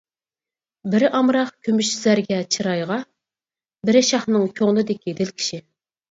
بىرى ئامراق كۈمۈش زەرگە چىرايغا، بىرى شاھنىڭ كۆڭلىدىكى دىلكىشى.